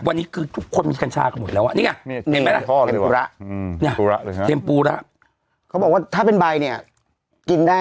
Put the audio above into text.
วันนี้คือทุกคนมีกัญชากันหมดแล้วอ่ะนี่ไง